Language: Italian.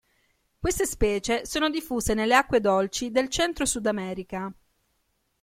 Queste specie sono diffuse nelle acque dolci del Centro-Sudamerica.